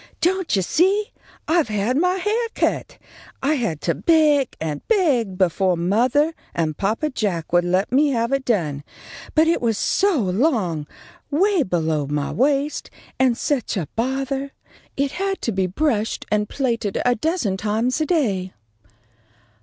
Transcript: "Don't you see? I've had my hair cut. I had to beg and beg befo' mothah and papa Jack would let me have it done; but it was so long, away below my waist, and such a bothah. It had to be brushed and plaited a dozen times a day."